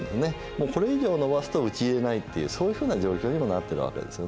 もうこれ以上延ばすと討ち入れないっていうそういうふうな状況にもなってるわけですよね。